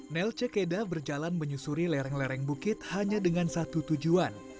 nelce keda berjalan menyusuri lereng lereng bukit hanya dengan satu tujuan